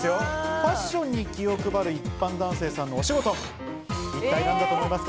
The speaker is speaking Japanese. ファッションに気を配る一般男性さんのお仕事、一体何だと思いますか？